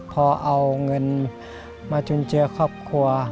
พอเอาเงินมาจุนเจือครอบครัว